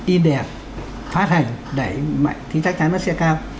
in đẹp phát hành đẩy mạnh thì chắc chắn nó sẽ cao